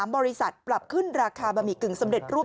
บริษัทปรับขึ้นราคาบะหมี่กึ่งสำเร็จรูป